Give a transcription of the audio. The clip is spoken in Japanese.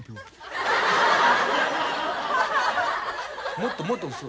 もっともっと何だ？